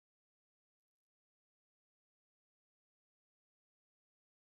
Ɣef leḥsab-nnek, anda yella Ferḥat n At Ɛebbas?